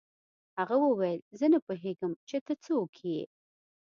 هغه وویل زه نه پوهېږم چې ته څوک یې